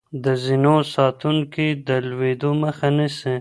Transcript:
د زينو ساتونکي د لوېدو مخه نيسي.